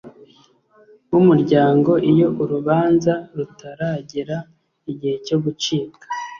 W umuryango iyo urubanza rutaragera igihe cyo gucibwa